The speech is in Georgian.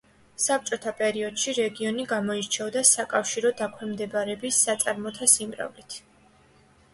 საბჭოთა პერიოდში რეგიონი გამოირჩეოდა საკავშირო დაქვემდებარების საწარმოთა სიმრავლით.